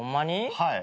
はい。